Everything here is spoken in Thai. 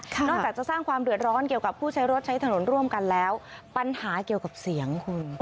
นอกจากจะสร้างความเดือดร้อนเกี่ยวกับผู้ใช้รถใช้ถนนร่วมกันแล้วปัญหาเกี่ยวกับเสียงคุณ